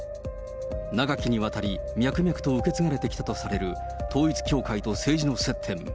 長きにわたり、脈々と受け継がれてきたとされる統一教会と政治の接点。